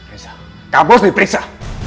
reza kamu harus diperiksa